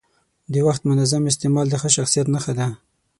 د وخت منظم استعمال د ښه شخصیت نښه ده.